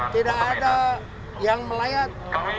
tidak ada yang melayat